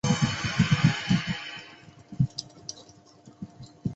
胭脂红是一般用语为一特别深红色颜色。